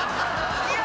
いや。